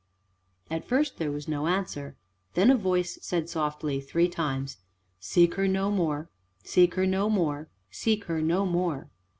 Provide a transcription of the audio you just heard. At first there was no answer. Then a voice said softly, three times, "Seek her no more, seek her no more, seek her no more."